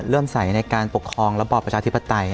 ใสในการปกครองระบอบประชาธิปไตย